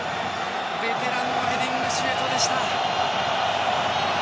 ベテランのヘディングシュートでした。